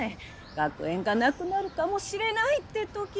学園がなくなるかもしれないって時に。